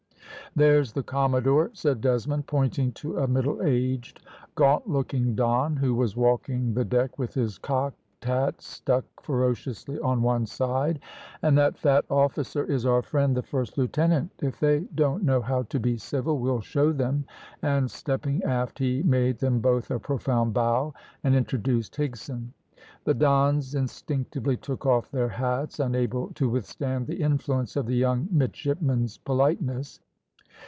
"There's the commodore," said Desmond, pointing to a middle aged, gaunt looking Don who was walking the deck with his cocked hat stuck ferociously on one side, "and that fat officer is our friend the first lieutenant. If they don't know how to be civil, we'll show them," and stepping aft, he made them both a profound bow, and introduced Higson. The Dons instinctively took off their hats, unable to withstand the influence of the young midshipman's politeness.